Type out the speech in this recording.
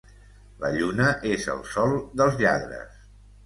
La lluna és el sol dels lladres.